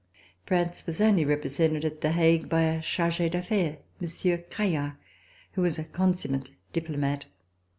France was only represented at The Hague by a charge d'affaires, Monsieur Caillard, who was a consummate diplomat.